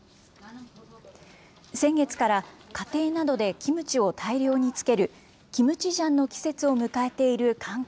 先月から家庭などでキムチを大量に漬ける、キムチジャンの季節を迎えている韓国。